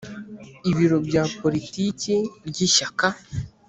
ibiro bya Politiki ry’ Ishyaka.